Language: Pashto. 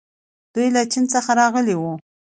دوی له چین څخه راغلي وو